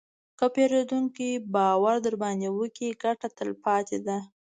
که پیرودونکی باور درباندې وکړي، ګټه تلپاتې ده.